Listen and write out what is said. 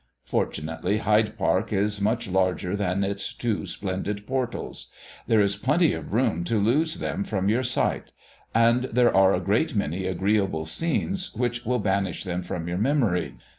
Fortunately Hyde Park is much larger than its two splendid portals. There is plenty of room to lose them from your sight; and there are a great many agreeable scenes which will banish them from your memory.